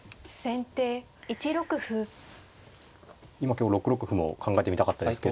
今６六歩も考えてみたかったですけど。